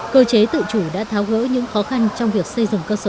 cơ chế tự chủ đã tháo gỡ những khó khăn trong việc xây dựng cơ sở